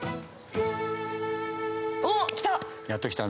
おっきた！